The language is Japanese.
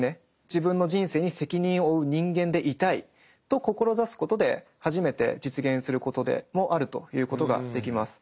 自分の人生に責任を負う人間でいたいと志すことで初めて実現することでもあると言うことができます。